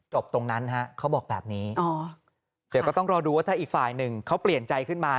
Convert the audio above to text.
ตรงนั้นฮะเขาบอกแบบนี้เดี๋ยวก็ต้องรอดูว่าถ้าอีกฝ่ายหนึ่งเขาเปลี่ยนใจขึ้นมา